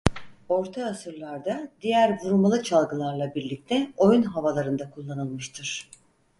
Orta asırlarda diğer vurmalı çalgılarla birlikte oyun havalarında kullanılmıştır.